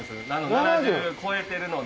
７０超えてるので。